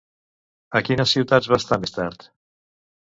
A quines ciutats va estar més tard?